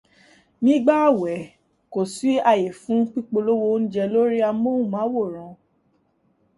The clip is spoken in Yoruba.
Nígbà ààwẹ̀, kó sí ààyè fún pípolówó oúnjẹ lórí amóhùnmáwòrán.